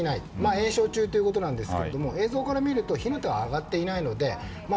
延焼中ということですが映像から見ると火の手は上がっていないので。